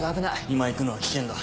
今行くのは危険だ。